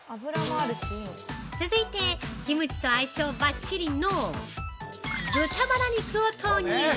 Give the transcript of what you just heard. ◆続いて、キムチと相性バッチリの、豚バラ肉を投入。